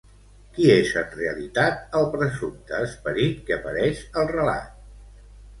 Qui és en realitat el presumpte esperit que apareix al relat?